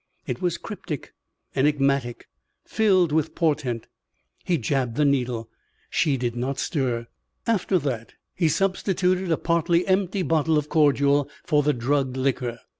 It was cryptic, enigmatic, filled with portent. He jabbed the needle. She did not stir. After that he substituted a partly empty bottle of cordial for the drugged liquor.